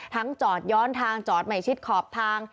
จอดย้อนทางจอดไม่ชิดขอบทาง